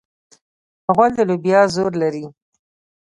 غول د لوبیا زور لري.